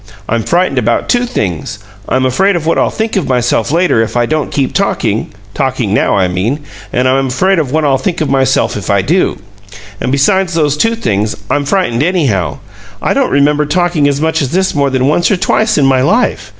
I'm frightened about two things: I'm afraid of what I'll think of myself later if I don't keep talking talking now, I mean and I'm afraid of what I'll think of myself if I do. And besides these two things, I'm frightened, anyhow. I don't remember talking as much as this more than once or twice in my life.